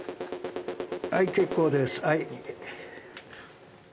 はい結構です。